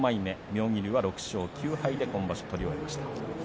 妙義龍は６勝９敗で今場所、取り終えました。